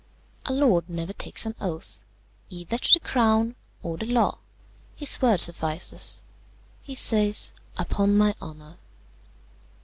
"A lord never takes an oath, either to the crown or the law. His word suffices; he says, Upon my honour.